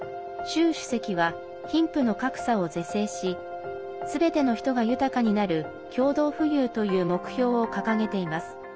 習主席は貧富の格差を是正しすべての人が豊かになる共同富裕という目標を掲げています。